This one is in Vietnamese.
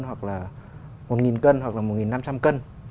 hoặc là một cân hoặc là một năm trăm linh cân